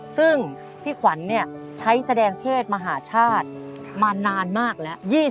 ซึ่งพี่ขวัญใช้แสดงเทศมหาชาติมานานมากแล้ว